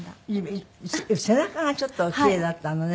背中がちょっとお奇麗だったのね。